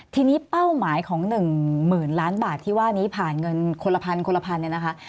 ทีนี้เป้าหมายของ๑หมื่นล้านบาทที่ว่านี้ผ่านเงินคนละพันนะคะ